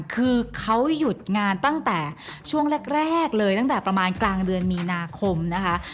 คือเขาหยุดงานตั้งแต่ช่วงแรกเลยตั้งแต่ประมาณกลางเดือนมีนาคมนะคะ